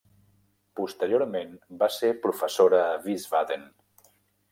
Posteriorment va ser professora a Wiesbaden.